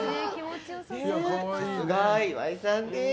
さすが、岩井さんです！